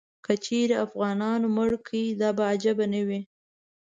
که چیرې افغانانو مړ کړ، دا به عجیبه نه وي.